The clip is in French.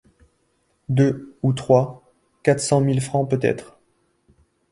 Deux, ou trois, quatre cent mille francs peut-être!